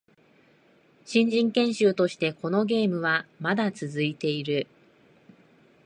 新人研修としてこのゲームはまだ続いている